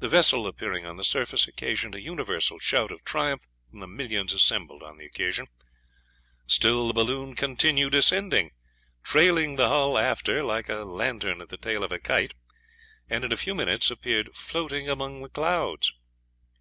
The vessel appearing on the surface occasioned a universal shout of triumph from the millions assembled on the occasion. Still the balloon continued ascending, trailing the hull after like a lantern at the tail of a kite, and in a few minutes appeared floating among the clouds.